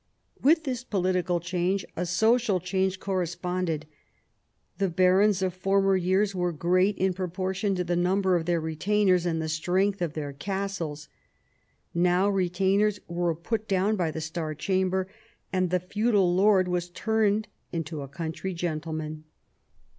With this political change a social change corresponded. The barons of former years were great in proportion to the number of their retainers and the strength of their castles. Now retainers were put down by the Star Chamber; and the feudal lord was turned into the country gentleman.